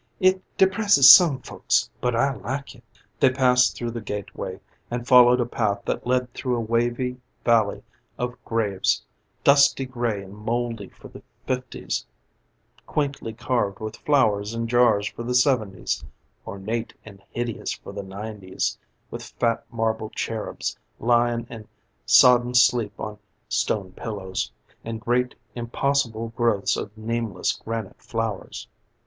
It depresses some folks, but I like it." They passed through the gateway and followed a path that led through a wavy valley of graves dusty gray and mouldy for the fifties; quaintly carved with flowers and jars for the seventies; ornate and hideous for the nineties, with fat marble cherubs lying in sodden sleep on stone pillows, and great impossible growths of nameless granite flowers.